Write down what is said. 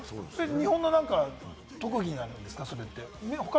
日本の特技なんですか？